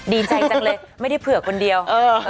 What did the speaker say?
ดีใจจังเลยไม่ได้เผื่อคนเดียว